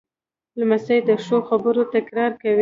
لمسی د ښو خبرو تکرار کوي.